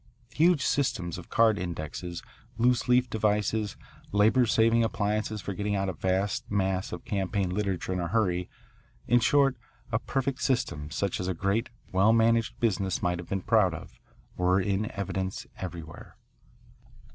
Huge systems of card indexes, loose leaf devices, labour saving appliances for getting out a vast mass of campaign "literature" in a hurry, in short a perfect system, such as a great, well managed business might have been proud of, were in evidence everywhere.